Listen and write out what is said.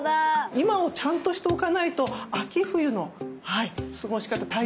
今をちゃんとしておかないと秋冬の過ごし方体調にも影響しますので。